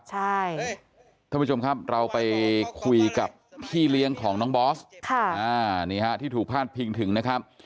ท่านผู้ชมครับเราไปคุยกับพี่เลี้ยงของน้องบอสนี่ฮะที่ถูกพาดพิงถึงนะครับ